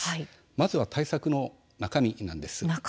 まずは対策の中身なんです。